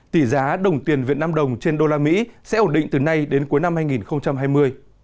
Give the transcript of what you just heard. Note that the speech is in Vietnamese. tỷ giá đồng tiền việt nam đồng trên đô la mỹ sẽ ổn định từ nay đến cuối năm hai nghìn hai mươi